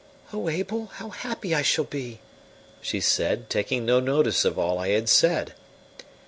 "O Abel, how happy I shall be!" she said, taking no notice of all I had said.